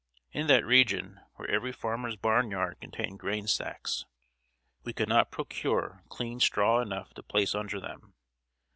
In that region, where every farmer's barn yard contained grain stacks, we could not procure clean straw enough to place under them.